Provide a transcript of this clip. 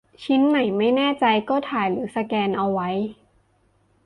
ชิ้นไหนไม่แน่ใจก็ถ่ายหรือสแกนเอาไว้